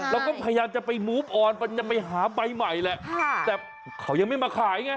เราก็พยายามจะไปมูฟออนมันจะไปหาใบใหม่แหละแต่เขายังไม่มาขายไง